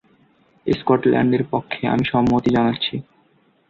স্কটল্যান্ডের পক্ষে, আমি সম্মতি জানাচ্ছি।